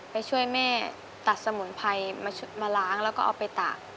ไปช่วยแม่ตัดสมุนไพรมาล้างแล้วก็เอาไปตาก